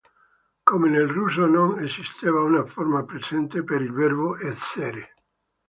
Come nel russo non esisteva una forma presente per il verbo 'essere'.